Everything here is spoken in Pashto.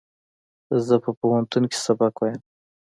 زه په پوهنتون کښې سبق وایم